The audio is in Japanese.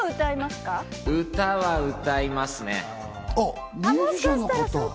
歌も歌いますか？